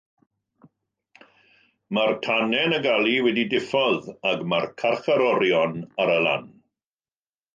Mae'r tanau yn y gali wedi'u diffodd ac mae'r carcharorion ar y lan.